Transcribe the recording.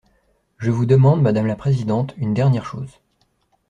Je vous demande, madame la présidente, une dernière chose.